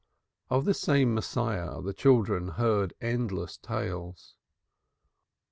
Of this same Messiah the children heard endless tales.